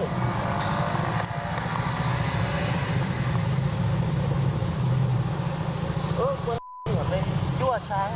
ยั่วช้าง